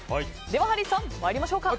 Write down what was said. では、ハリーさん参りましょうか。